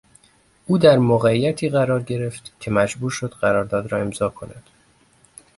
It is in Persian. او در موقعیتی قرار گرفت که مجبور شد قرارداد را امضا کند.